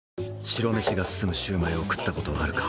白飯が進むシュウマイを食ったことはあるか？